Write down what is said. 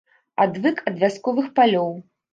Адвык ад вясковых палёў.